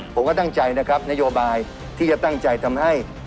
ผมก็ตั้งใจนะครับนโยบายที่จะตั้งใจทำให้